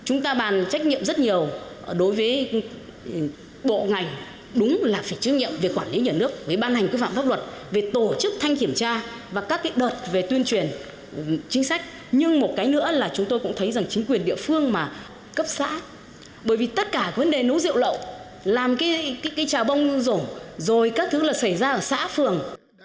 chúng ta bàn trách nhiệm rất nhiều đối với bộ ngành đúng là phải trách nhiệm về quản lý nhà nước với ban hành quy phạm pháp luật về tổ chức thanh kiểm tra và các cái đợt về tuyên truyền chính sách nhưng một cái nữa là chúng tôi cũng thấy rằng chính quyền địa phương mà cấp xã bởi vì tất cả vấn đề nấu rượu lậu làm cái trà bông rổ rồi các thứ là xảy ra ở xã phường